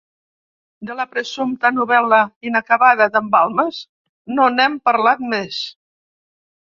De la presumpta novel·la inacabada d'en Balmes no n'hem parlat més.